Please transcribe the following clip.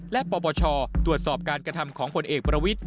และปปชตรวจสอบการกระทำของผลเอกประวิทธิ